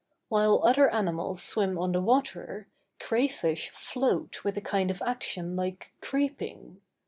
While other animals swim on the water, cray fish float with a kind of action like creeping.